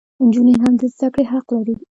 انجونې هم د زدکړي حق لري